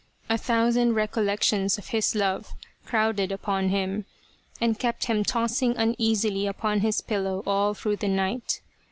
A thousand recollections of his love crowded upon him, and kept him tossing uneasily upon his pillow all through the night.